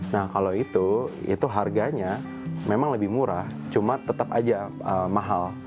nah kalau itu itu harganya memang lebih murah cuma tetap aja mahal